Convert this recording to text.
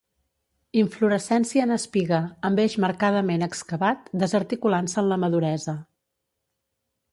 Inflorescència en espiga, amb eix marcadament excavat, desarticulant-se en la maduresa.